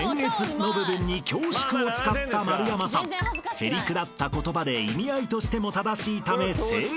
［へりくだった言葉で意味合いとしても正しいため正解］